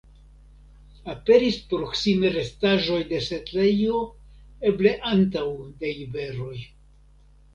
Aperis proksime restaĵoj de setlejo eble antaŭ de iberoj.